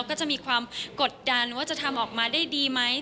ก็จะมีความกดดันว่าจะทำออกมาได้ดีไหม